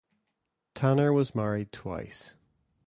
Tanner was married twice.